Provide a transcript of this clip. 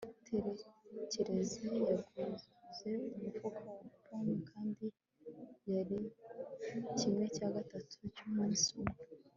karekezi yaguze umufuka wa pome kandi yariye kimwe cya gatatu cyumunsi umwe